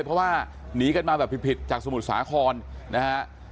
เพราะว่าหนีกันมาแบบผิดจากสมุทรสาครนะฮะ